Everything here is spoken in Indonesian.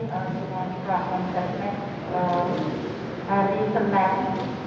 jadi saya ingin mengucapkan sesuatu